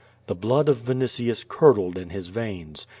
The blood of Vinitius curdled in his veins.